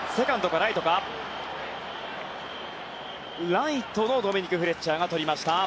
ライトのドミニク・フレッチャーがとりました。